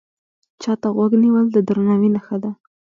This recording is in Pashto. چا ته غوږ نیول د درناوي نښه ده